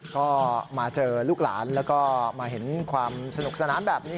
ก็มาเจอลูกหลานแล้วก็มาเห็นความสนุกสนานแบบนี้